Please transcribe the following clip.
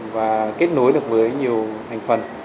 và kết nối được với nhiều thành phần